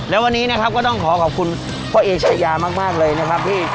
แล้ววันนี้นะครับก็ต้องขอขอบคุณพ่อเอชายามากเลยนะครับพี่